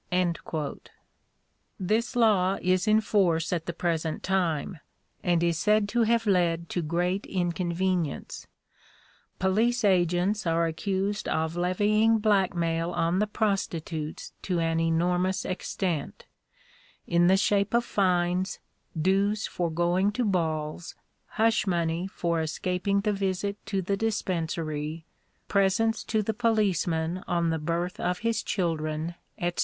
" This law is in force at the present time, and is said to have led to great inconvenience. Police agents are accused of levying black mail on the prostitutes to an enormous extent, in the shape of fines, dues for going to balls, hush money for escaping the visit to the Dispensary, presents to the policeman on the birth of his children, etc.